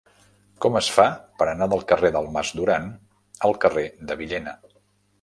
Com es fa per anar del carrer del Mas Duran al carrer de Villena?